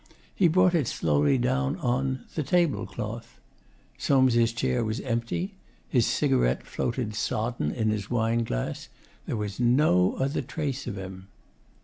He brought it slowly down on the tablecloth. Soames' chair was empty. His cigarette floated sodden in his wine glass. There was no other trace of him.